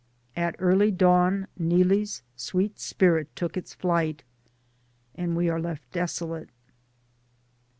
At early dawn Neelie' s sweet spirit took its flight, and we are left desolate.